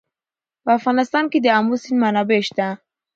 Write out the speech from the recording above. په افغانستان کې د آمو سیند منابع شته.